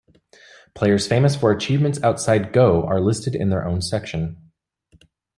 Players famous for achievements outside Go are listed in their own section.